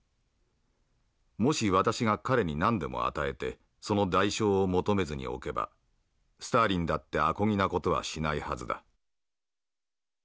もし私が彼に何でも与えてその代償を求めずにおけばスターリンだってあこぎな事はしないはずだ」。